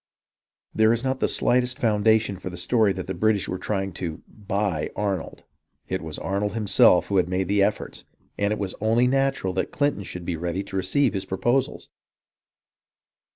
There is not the slightest foundation for the story that the British were trying to " buy " Arnold. It was Arnold himself who made the offers, and it was only natural that Clinton should be ready to receive his proposals.